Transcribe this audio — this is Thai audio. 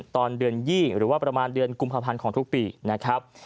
ตอนเดือน๒หรือว่าประมาณเดือนกุมภาพันธ์ของทุกปีนะครับ